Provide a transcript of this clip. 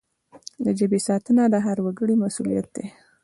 د ژبي ساتنه د هر وګړي مسؤلیت دی.